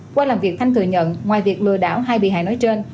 qua làm việc thanh thừa nhận ngoài việc lừa đảo hai bị hại nói trên